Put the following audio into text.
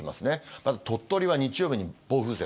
まず鳥取は日曜日に暴風雪。